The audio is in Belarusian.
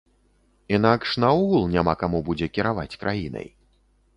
Інакш наогул няма каму будзе кіраваць краінай.